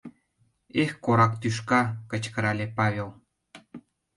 — Эх, корак тӱшка! — кычкырале Павел.